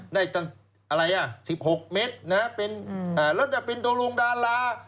ได้ตั้ง๑๖เมตรเป็นโดรงดารา